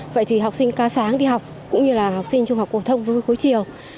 vậy thì học sinh ca sáng đi học cũng như là học sinh trung học hồ thông với cuối chiều